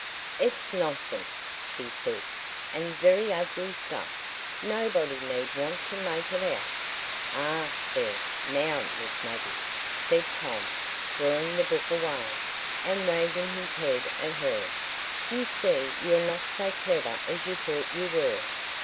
"It's nonsense!" she said, "and very ugly stuff; nobody need want to make it out." "Ah, there, now, Miss Maggie!" said Tom, drawing the book away, and wagging his head at her, "You see you're not so clever as you thought you were."